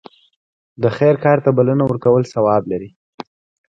د خیر کار ته بلنه ورکول ثواب لري.